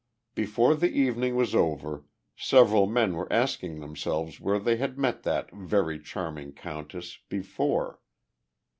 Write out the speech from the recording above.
Before the evening was over several men were asking themselves where they had met that "very charming countess" before.